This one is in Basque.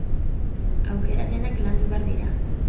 Aukera denak landu behar dira.